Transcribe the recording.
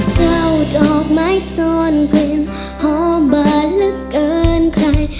เจ้าดอกไม้ซ่อนกลิ่นหอมบาดเหลือเกินใคร